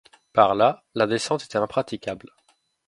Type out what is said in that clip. Par là, la descente était impraticable.